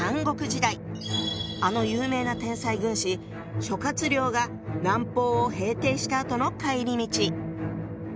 あの有名な天才軍師諸亮が南方を平定したあとの帰り道。